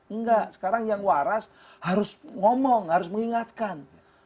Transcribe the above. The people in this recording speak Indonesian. enggak sekarang yang waras harus ngomong harus mengingatkan